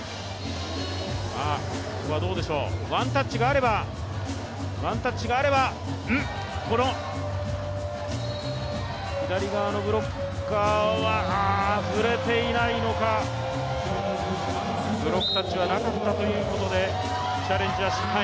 ここはどうでしょう、ワンタッチがあれば左側のブロッカーは、あ触れていないのか、ブロックタッチはなかったということでチャレンジは失敗。